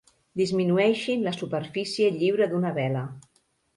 Disminueixin la superfície lliure d'una vela.